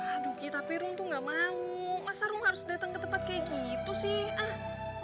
aduh ki tapi rum tuh gak mau masa rum harus dateng ke tempat kayak gitu sih ah